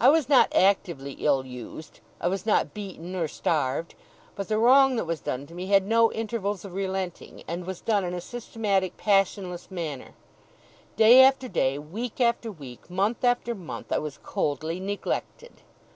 I was not actively ill used. I was not beaten, or starved; but the wrong that was done to me had no intervals of relenting, and was done in a systematic, passionless manner. Day after day, week after week, month after month, I was coldly neglected.